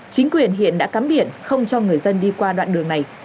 chính quyền hiện đã cắm biển không cho người dân đi qua đoạn đường này